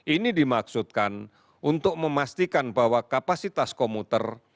ini dimaksudkan untuk memastikan bahwa kapasitas komuter